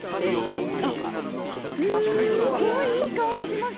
あっすごいいい香りしますね。